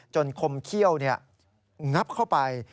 จนคมเขี้ยวเนี่ยงับเข้าไป